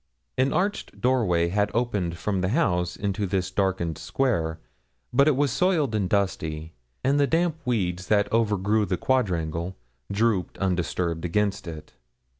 An arched doorway had opened from the house into this darkened square, but it was soiled and dusty; and the damp weeds that overgrew the quadrangle drooped undisturbed against it.